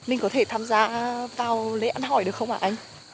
mình có thể tham gia vào lễ ăn hỏi được không ạ anh